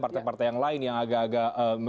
partai partai yang lain yang agak agak